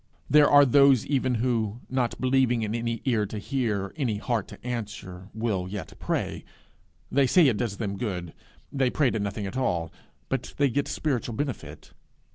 There are those even who, not believing in any ear to hear, any heart to answer, will yet pray. They say it does them good; they pray to nothing at all, but they get spiritual benefit.